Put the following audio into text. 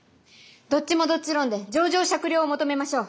どっちもどっち論で情状酌量を求めましょう！